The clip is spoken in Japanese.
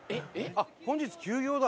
あっ本日休業だ。